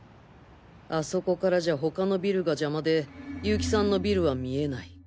あそこからじゃ他のビルが邪魔で結城さんのビルは見えない。